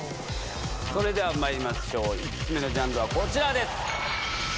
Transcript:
それではまいりましょう５つ目のジャンルはこちらです。